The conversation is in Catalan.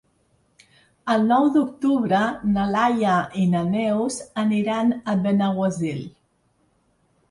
El nou d'octubre na Laia i na Neus aniran a Benaguasil.